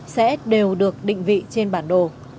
sẽ đều được định vị trên bản đồ